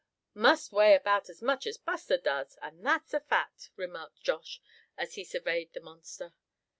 must weigh about as much as Buster does, and that's a fact!" remarked Josh, as he surveyed the monster.